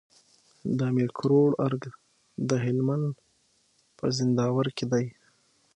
د امير کروړ ارګ د هلمند په زينداور کي دی